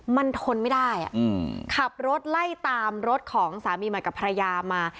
มันทนไม่ได้ขับรถไล่ตามรถของสามีใหม่กับภรรยามา